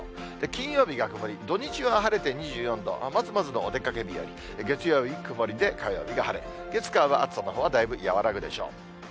金曜日が曇り、土日は晴れて２４度、まずまずのお出かけ日和、月曜日曇りで、火曜日が晴れ、月、火は暑さのほうはだいぶ和らぐでしょう。